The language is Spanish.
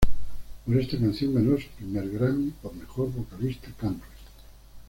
Por esta canción ganó su primer Grammy, por mejor vocalista country.